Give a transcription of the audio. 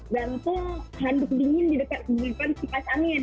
dan itu handuk dingin di dekat sebelah kipas angin